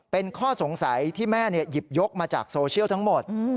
เป็นข้อสงสัยที่แม่หยิบยกมาจากโซเชียลทั้งหมด